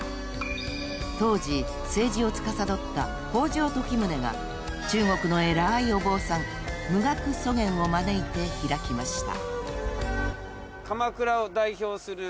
［当時政治をつかさどった北条時宗が中国の偉いお坊さん無学祖元を招いて開きました］